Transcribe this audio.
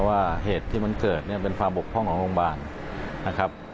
ว่าเหตุที่มันเกิดเนี่ยเป็นความบกพร่องของโรงพยาบาลนะครับ